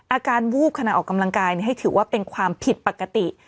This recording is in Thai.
อาการวูบขณะออกกำลังกายให้ถือว่าเป็นความผิดปกติ